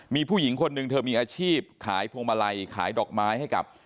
มีผู้หญิงคนหนึ่งเธอมีอาชีพขายพวงมาลัยขายดอกไม้ให้กับ